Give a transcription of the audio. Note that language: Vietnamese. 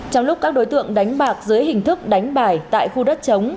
trong lúc các đối tượng đánh bạc dưới hình thức đánh bài tại khu đất chống